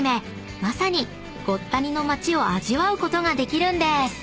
まさにごった煮の街を味わうことができるんです］